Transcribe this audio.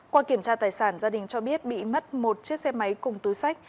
qua kiểm tra tài sản gia đình cho biết bị mất một chiếc xe máy cùng túi sách